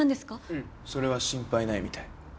うんそれは心配ないみたい。